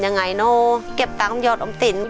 ยังไงเนอะเก็บตังค์ยอดอำ